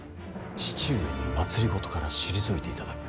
父上に政から退いていただく。